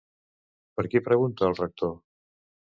Per qui pregunta el Rector?